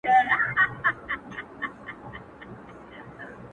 زمـــا د رسـوايـــۍ كــيســه,